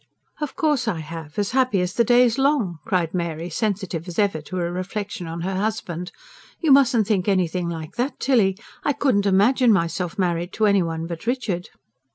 "Of course I have as happy as the day's long!" cried Mary, sensitive as ever to a reflection on her husband. "You mustn't think anything like that, Tilly. I couldn't imagine myself married to anyone but Richard."